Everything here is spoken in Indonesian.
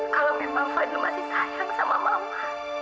kalau memang fadil masih sayang sama mama